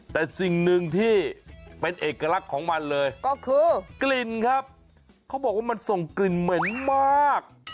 แต่สิ่งหนึ่งที่เป็นเอกลักษณ์ของมันเลยก็คือกลิ่นครับเขาบอกว่ามันส่งกลิ่นเหม็นมาก